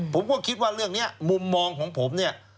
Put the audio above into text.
ผมก็คิดว่าเรื่องนี้มุมมองของผมเนี่ย